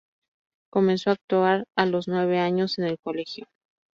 Comenzó a actuar a los nueve años en el colegio.